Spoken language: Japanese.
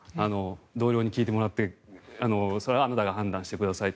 同僚に聞いてもらってそれはあなたが判断してくださいと。